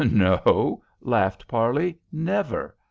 "No," laughed Parley, "never.